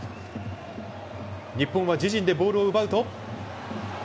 日本は自陣でボールを奪うと。